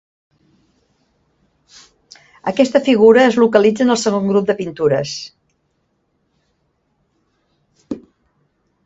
Aquesta figura es localitza en el segon grup de pintures.